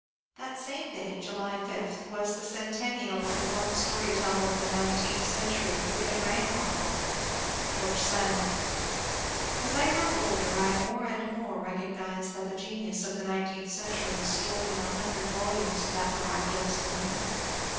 That same day — July 5 — was the centennial of the one story teller of the nineteenth century who can rank E[aw thome, — Greorge Sand. As I grow older I more and more recognize that the genius of the nineteenth century is stored in the hundred volumes of that miraculous woman.